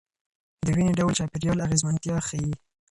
دویني ډول چاپیریال اغېزمنتیا ښيي.